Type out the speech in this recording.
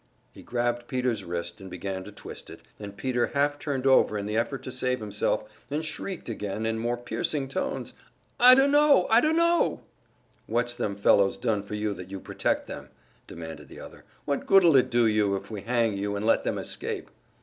He grabbed Peter's wrist and began to twist it, and Peter half turned over in the effort to save himself, and shrieked again, in more piercing tones, "I dunno! I dunno!" "What's them fellows done for you that you protect them?" demanded the other. "What good'll it do you if we hang you and let them escape?"